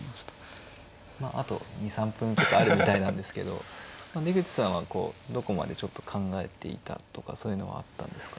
まああと２３分あるみたいなんですけど出口さんはこうどこまでちょっと考えていたとかそういうのはあったんですか？